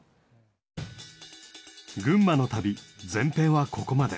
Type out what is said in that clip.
群馬の旅前編はここまで。